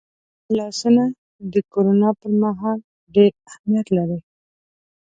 لاسونه د کرونا پرمهال ډېر اهمیت لري